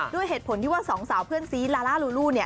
ด้วยเหตุผลที่ว่าสองสาวเพื่อนซีลาล่าลูลูเนี่ย